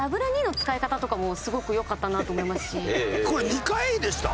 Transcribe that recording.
これ２回でした？